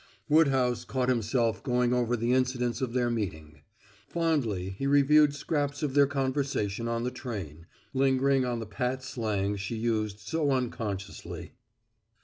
Woodhouse caught himself going over the incidents of their meeting. Fondly he reviewed scraps of their conversation on the train, lingering on the pat slang she used so unconsciously.